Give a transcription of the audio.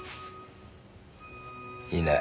いない。